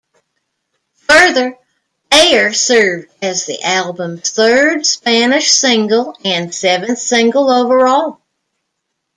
Further, "Ayer" served as the album's third Spanish single and seventh single overall.